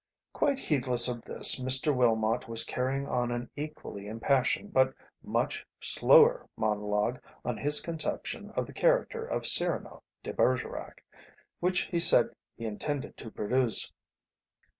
Quite heedless of this Mr. Willmott was carrying on an equally impassioned but much slower monologue on his conception of the character of Cyrano de Bergerac, which he said he intended to produce.